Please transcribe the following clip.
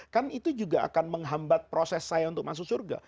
kan itu juga akan menghambat proses saya untuk masuk surga